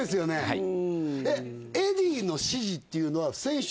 はい。